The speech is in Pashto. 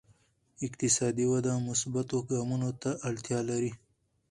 اقتصادي وده مثبتو ګامونو ته اړتیا لري.